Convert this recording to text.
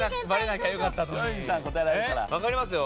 わかりますよ。